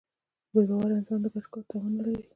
بېباوره انسان د ګډ کار توان نهلري.